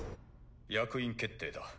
役員決定だ。